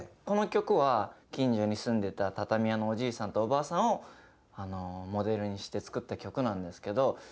この曲は近所に住んでた畳屋のおじいさんとおばあさんをモデルにして作った曲なんですけど。